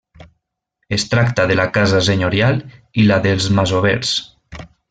Es tracta de la casa senyorial i la dels masovers.